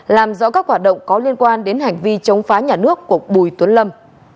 làm rõ các hoạt động có liên quan đến hành vi chống phá nhà nước của bùi tuấn lâm